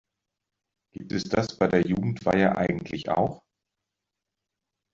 Gibt es das bei der Jugendweihe eigentlich auch?